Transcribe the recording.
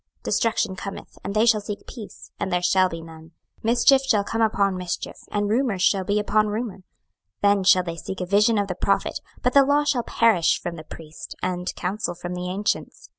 26:007:025 Destruction cometh; and they shall seek peace, and there shall be none. 26:007:026 Mischief shall come upon mischief, and rumour shall be upon rumour; then shall they seek a vision of the prophet; but the law shall perish from the priest, and counsel from the ancients.